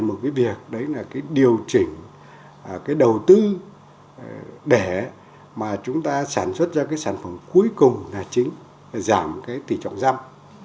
một cái việc đấy là cái điều chỉnh cái đầu tư để mà chúng ta sản xuất ra cái sản phẩm cuối cùng là chính giảm cái tỉ trọng răm